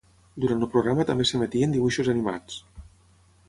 Durant el programa també s'emetien dibuixos animats.